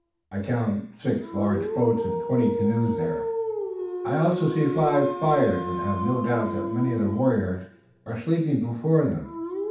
I count six large boats and twenty canoes there. I also see five fires, and I have no doubt that many of the warriors are sleeping before them.